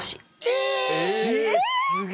えっ！